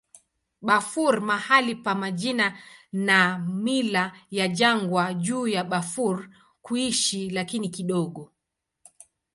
Bafur mahali pa majina na mila ya jangwa juu ya Bafur kuishi, lakini kidogo.